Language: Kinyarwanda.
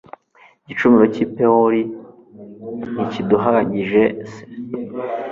igicumuro cy'i pewori ntikiduhagije se